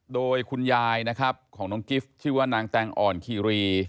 โดยคุณยายนะครับของน้องกิฟต์ชื่อว่านางแตงอ่อนคีรี